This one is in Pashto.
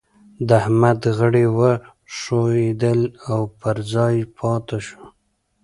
د احمد غړي وښوئېدل او پر ځای پاته شو.